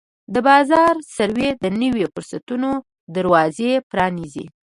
د بازار سروې د نویو فرصتونو دروازې پرانیزي.